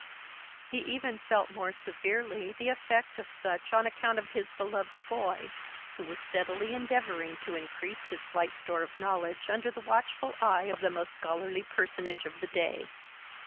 He even felt more severely the effect of such on account of his beloved boy, who was steadily endeavouring to increase his slight store of knowledge under the watchful eye of the most scholarly personage of the day.